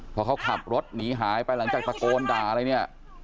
พอเขาขับรถหนีหายไปหลังจากตะโกนด่าอะไรเนี่ย